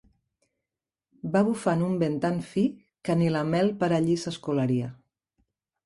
Va bufant un vent tan fi, que ni la mel per allí, s'escolaria.